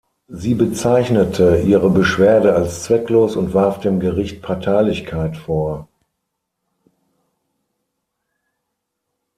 Sie bezeichnete ihre Beschwerde als zwecklos und warf dem Gericht Parteilichkeit vor.